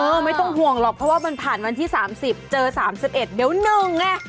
ไม่ต้องห่วงหรอกเพราะว่ามันผ่านวันที่๓๐เจอ๓๑เดี๋ยว๑ไง